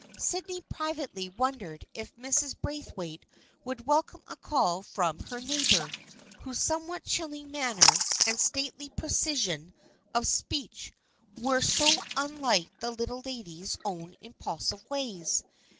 Sydney privately wondered if Mrs. Braithwaite would welcome a call from her neighbor, whose somewhat chilling manner, and stately precision of speech were so unlike the Little Lady's own impulsive ways.